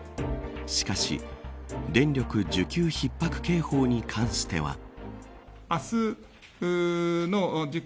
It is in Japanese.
しかし電力需給ひっ迫警報に関しては。